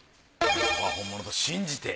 さぁ本物と信じて。